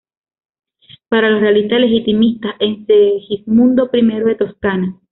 Para los realistas legitimistas es Segismundo I de Toscana.